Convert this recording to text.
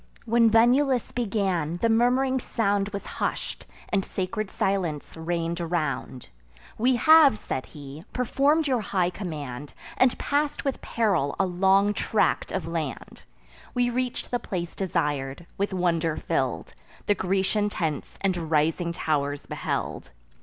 When Venulus began, the murmuring sound Was hush'd, and sacred silence reign'd around. "We have," said he, "perform'd your high command, And pass'd with peril a long tract of land: We reach'd the place desir'd; with wonder fill'd, The Grecian tents and rising tow'rs beheld.